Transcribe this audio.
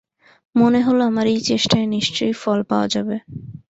মনে হল, আমার এই চেষ্টায় নিশ্চয়ই ফল পাওয়া যাবে।